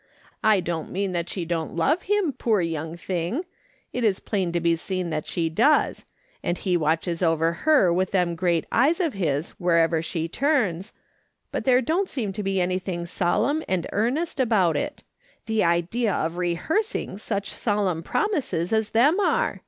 I don't mean that she don't love him, poor young thing, it is plain to be seen that she does ; and he watches her with them great eyes of his wherever "POOR LIDA AND THE REST." 105 she turns, but there don't seem to be anything solemn and earnest about it. The idea of rehear siiuj such solemn promises as them are